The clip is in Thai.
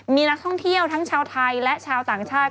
มีนักท่องเที่ยวทั้งชาวไทยและชาวต่างชาติ